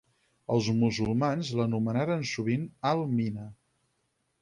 Els musulmans l'anomenaren sovint al-Mina.